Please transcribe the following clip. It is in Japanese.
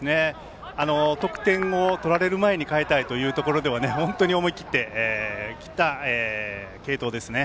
得点を取られる前に代えたいというところでは本当に思い切った継投ですね。